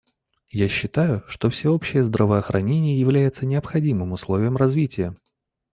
Я считаю, что всеобщее здравоохранение является необходимым условием развития.